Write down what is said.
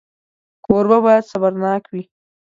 کوربه باید صبرناک وي.